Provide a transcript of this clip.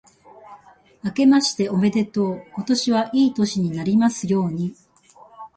あけましておめでとう。今年はいい年になりますように。